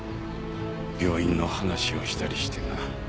病院の話をしたりしてな。